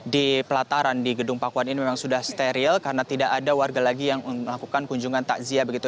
di pelataran di gedung pakuan ini memang sudah steril karena tidak ada warga lagi yang melakukan kunjungan takziah begitu